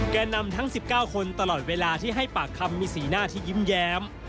แก่นำทั้ง๑๙คนตลอดเวลาที่ให้ปากคำมีสีหน้าที่ยิ้มแย้ม